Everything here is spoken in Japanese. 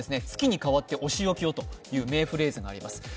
「月に代わってお仕置きよ」という名フレーズがあります。